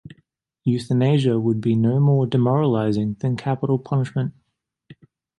Euthanasia would be no more demoralizing than capital punishment.